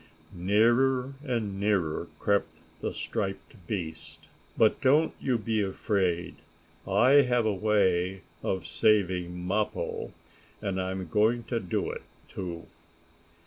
Nearer and nearer crept the striped beast. But don't you be afraid. I have a way of saving Mappo, and I'm going to do it, too!